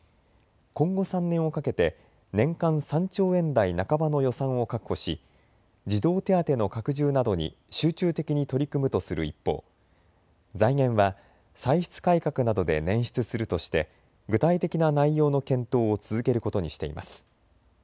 今後３年をかけて年間３兆円台半ばの予算を確保し児童手当の拡充などに集中的に取り組むとする一方、財源は歳出改革などで捻出するとして具体的な内容の検討を続けることにしています。